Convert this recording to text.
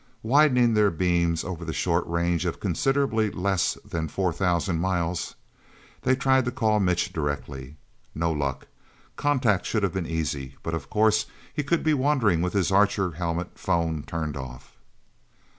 Widening their beams over the short range of considerably less than four thousand miles, they tried to call Mitch directly. No luck. Contact should have been easy. But of course he could be wandering with his Archer helmet phone turned off.